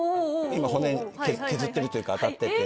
今骨削ってるというか当たってて。